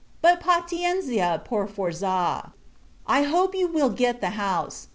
But, patienza per forza! I hope you will get the house.